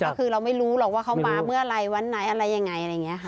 ก็คือเราไม่รู้หรอกว่าเขามาเมื่อไหร่วันไหนอะไรยังไงอะไรอย่างนี้ค่ะ